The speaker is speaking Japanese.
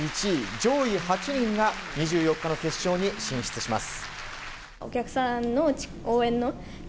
上位８人が２４日の決勝に進出します。